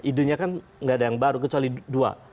ide nya kan tidak ada yang baru kecuali dua